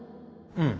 うん。